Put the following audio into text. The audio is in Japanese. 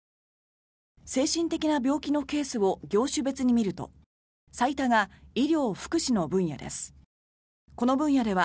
精神的な病気のケースを業種別に見ると最多が医療・福祉の分野です。